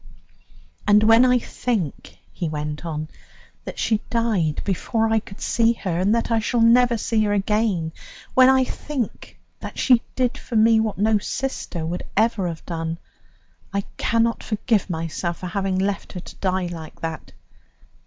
"And when I think," he went on, "that she died before I could see her, and that I shall never see her again, when I think that she did for me what no sister would ever have done, I can not forgive myself for having left her to die like that.